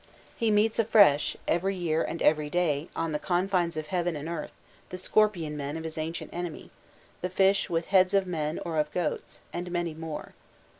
He meets afresh, every year and every day, on the confines of heaven and earth, the scorpion men of his ancient enemy, the fish with heads of men or goats, and many more.